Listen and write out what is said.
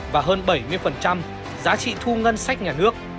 và hơn bảy mươi giá trị thu ngân sách nhà nước